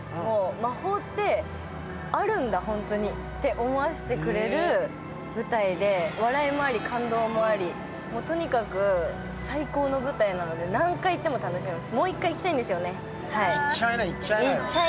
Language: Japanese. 魔法ってあるんだ、ホントにって思わせてくれる舞台で笑いもあり感動もありとにかく最高の舞台なので、何回行っても楽しめます。